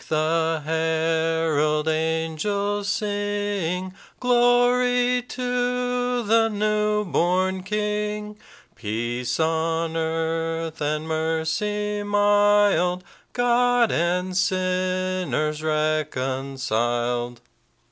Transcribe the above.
the herald angels sing, 'Glory to the new born King; Peace on earth and mercy mild, God and sinners reconciled.'"